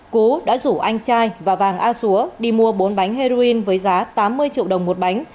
cú đã rủ anh trai và vàng a xúa đi mua bốn bánh heroin với giá tám mươi triệu đồng một bánh